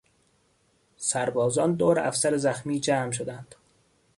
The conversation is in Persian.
سربازان دور افسر زخمی جمع شدند.